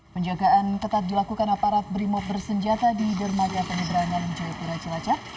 penjagaan ketat dilakukan aparat berimob bersenjata di dermaya penyeberangan jawa tira cilacap